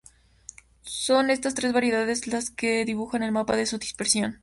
Son estas tres variedades las que dibujan el mapa de su dispersión.